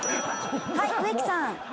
はい植木さん。